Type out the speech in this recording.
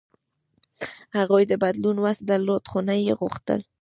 هغوی د بدلون وس درلود، خو نه یې غوښتل.